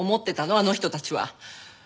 あの人たちは。